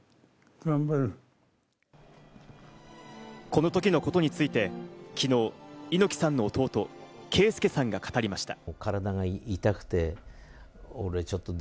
このときのことについて昨日、猪木さんの弟・啓介さんが語りました。